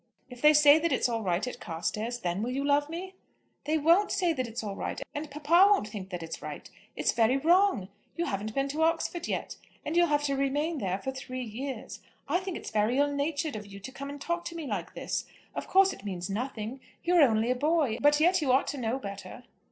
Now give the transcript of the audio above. "If they say that it's all right at Carstairs, then will you love me?" "They won't say that it's all right; and papa won't think that it's right. It's very wrong. You haven't been to Oxford yet, and you'll have to remain there for three years. I think it's very ill natured of you to come and talk to me like this. Of course it means nothing. You are only a boy, but yet you ought to know better."